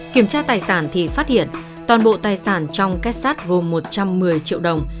kiểm tra tài sản thì phát hiện toàn bộ tài sản trong kết sát gồm một trăm một mươi triệu đồng